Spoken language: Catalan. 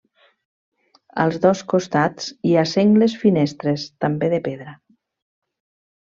Als dos costats hi ha sengles finestres, també de pedra.